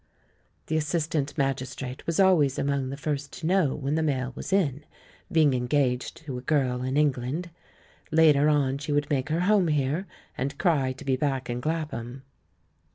The assistant magistrate was always among the first to know Vv^hen the mail was in, being engaged to a girl in England. Later on she would make her home here, and cry to be back in Clapham.